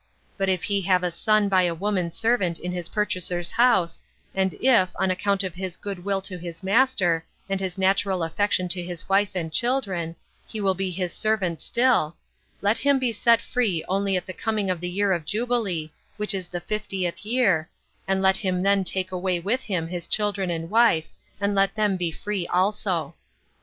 But if he have a son by a woman servant in his purchaser's house, and if, on account of his good will to his master, and his natural affection to his wife and children, he will be his servant still, let him be set free only at the coming of the year of jubilee, which is the fiftieth year, and let him then take away with him his children and wife, and let them be free also.